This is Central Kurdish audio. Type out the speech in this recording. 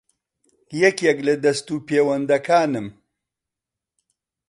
یەکێک لە دەستوپێوەندەکانم